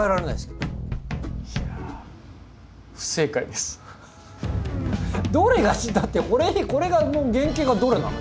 どれが？だってこれの原型がどれなの？